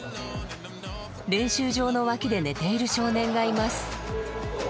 練習場の脇で寝ている少年がいます。